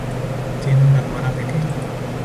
Tiene una hermana pequeña.